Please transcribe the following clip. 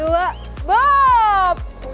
ini kayak main basket ya